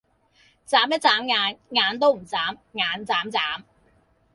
䁪一䁪眼，眼都唔䁪，眼䁪䁪